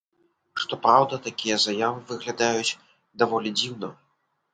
Што праўда, такія заявы выглядаюць даволі дзіўна.